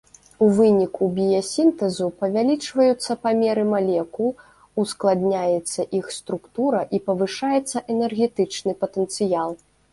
У выніку біясінтэзу павялічваюцца памеры малекул, ускладняецца іх структура і павышаецца энергетычны патэнцыял.